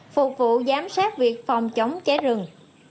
phục vụ giám sát việc phòng chống cháy rừng